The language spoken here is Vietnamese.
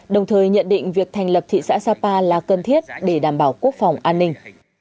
đồng thời nhận định việc thành lập thị xã sapa là cần thiết để đảm bảo quốc phòng an ninh